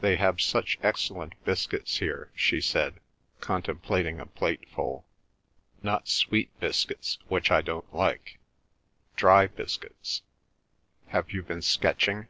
"They have such excellent biscuits here," she said, contemplating a plateful. "Not sweet biscuits, which I don't like—dry biscuits ... Have you been sketching?"